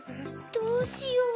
どうしよう。